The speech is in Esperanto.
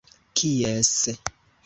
kies